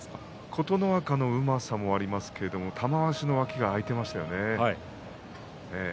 琴ノ若のうまさもありますけれども玉鷲の脇が空いていましたね。